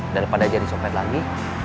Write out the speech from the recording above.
daripada jadi sopet lagi